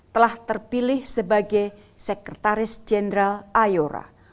telah terpilih sebagai sekretaris jenderal ayora